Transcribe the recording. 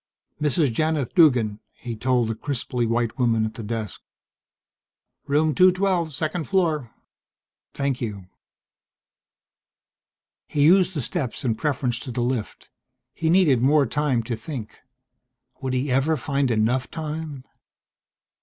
"Mrs. Janith Duggan," he told the crisply white woman at the desk. "Room 212, second floor." "Thank you." He used the steps in preference to the lift. He needed more time to think would he ever find enough time?